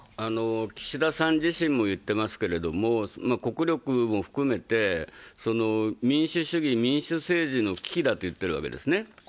岸田さん自身も言ってますけど、国力も含めて民主主義、民主政治の危機だと言っているわけですね。